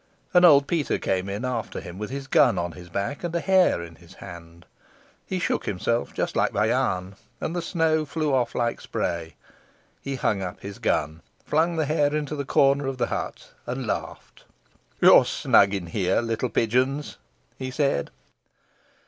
And old Peter came in after him, with his gun on his back and a hare in his hand. He shook himself just like Bayan, and the snow flew off like spray. He hung up his gun, flung the hare into a corner of the hut, and laughed. "You are snug in here, little pigeons," he said.